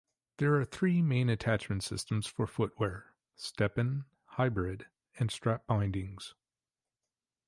There are three main attachment systems for footwear: step-in, hybrid, and strap bindings.